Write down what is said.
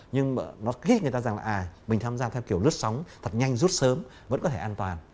nhưng mà nó kích người ta rằng là à mình tham gia theo kiểu lướt sóng thật nhanh rút sớm vẫn có thể an toàn